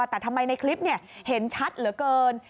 แต่ทำไมในคลิปเห็นชัดเหลือเกิน